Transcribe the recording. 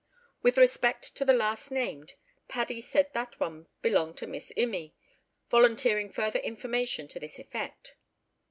With respect to the last named, Paddy said that one "belong'n Miss Immie," volunteering further information to this effect.